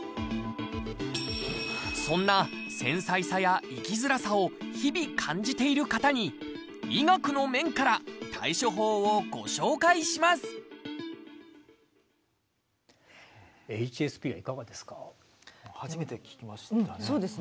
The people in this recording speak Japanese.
そんな繊細さや生きづらさを日々感じている方に医学の面から対処法をご紹介しますＨＳＰはいかがですか？